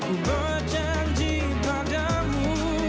aku berjanji padamu